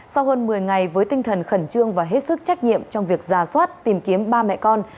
sau hơn một mươi ngày với tinh thần khẩn trương và hết sức trách nhiệm trong việc ra soát tìm kiếm ba mẹ con